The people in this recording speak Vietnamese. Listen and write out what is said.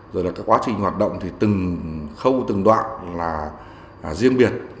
rồi là cái quá trình hoạt động thì từng khâu từng đoạn là riêng biệt